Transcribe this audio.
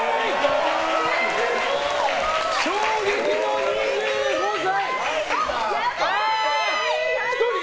衝撃の２５歳！